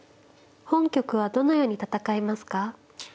本局はどのように戦いますか。